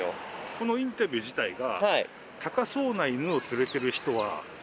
このインタビュー自体が。